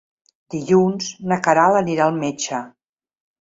Dilluns na Queralt anirà al metge.